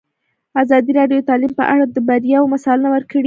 ازادي راډیو د تعلیم په اړه د بریاوو مثالونه ورکړي.